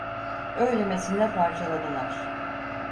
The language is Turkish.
Öylemesine parçaladılar…